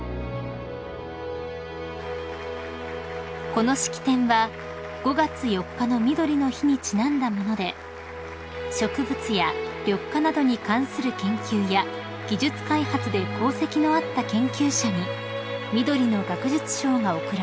［この式典は５月４日のみどりの日にちなんだもので植物や緑化などに関する研究や技術開発で功績のあった研究者にみどりの学術賞が贈られました］